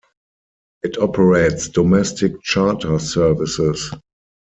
It operates domestic charter services.